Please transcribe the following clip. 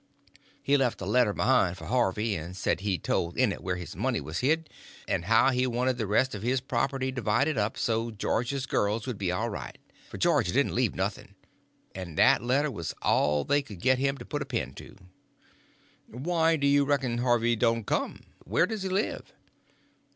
He left a letter behind for Harvey, and said he'd told in it where his money was hid, and how he wanted the rest of the property divided up so George's g'yirls would be all right—for George didn't leave nothing. And that letter was all they could get him to put a pen to." "Why do you reckon Harvey don't come? Wher' does he live?"